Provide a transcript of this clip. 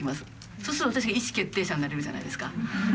そうすると私が意思決定者になれるじゃないですか。